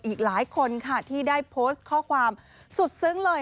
อีกหลายคนค่ะที่ได้โพสต์ข้อความสุดซึ้งเลย